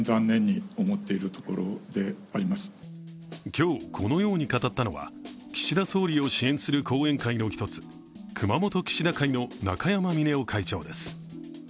今日このように語ったのは岸田総理を支援する後援会の１つ熊本岸田会の中山峰男会長です。